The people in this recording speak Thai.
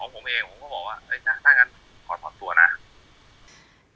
ผมอ่ะผมต้องพอตัว